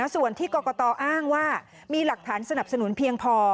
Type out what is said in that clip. ส่วนที่กรกตอ้างว่ามีหลักฐานสนับสนุนเพียงพอ